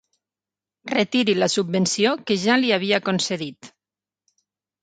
Retiri la subvenció que ja li havia concedit.